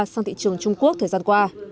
sang thị trường trung quốc thời gian qua